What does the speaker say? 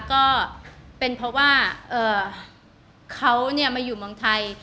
ก็เป็นเพราะว่าเขามาอยู่เมืองไทย